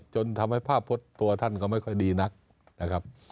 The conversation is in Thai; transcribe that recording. จนทำให้ภาพพจน์ตัวท่านก็ไม่ค่อยดีนักนะครับ